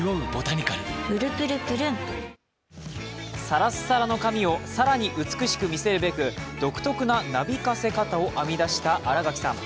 サラッサラの髪を更に美しく見せるべく独特ななびかせ方を編み出した新垣さん。